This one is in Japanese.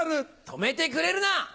止めてくれるな！